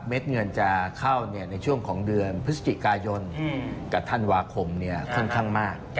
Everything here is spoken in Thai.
เม็ดเงินจะเข้าเนี่ยในช่วงของเดือนพฤศจิกายนกับธันวาคมเนี่ยค่อนข้างมาก